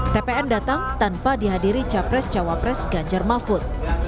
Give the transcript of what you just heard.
tpn datang tanpa dihadiri capres cawapres ganjar mahfud